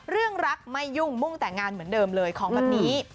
เรื่องรักไม่ยุ่งมุ่งแต่งงานเหมือนเดิมเลยของแบบนี้